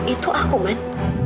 itu aku man